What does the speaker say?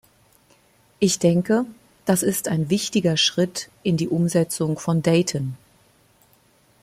Ich denke, das ist ein wichtiger Schritt in die Umsetzung von Dayton.